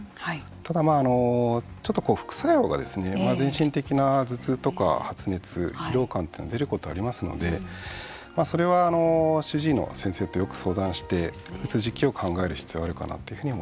ただ、ちょっと副作用が全身的な頭痛とか発熱疲労感というのが出ることがありますのでそれは、主治医の先生とよく相談をして打つ時期を考える必要があるかな